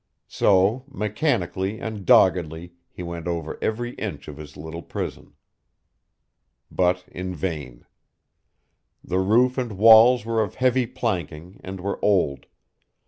So, mechanically and doggedly he went over every inch of his little prison. But in vain. The roof and walls were of heavy planking and were old.